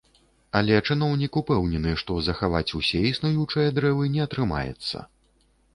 Але чыноўнік упэўнены, што захаваць усе існуючыя дрэвы не атрымаецца.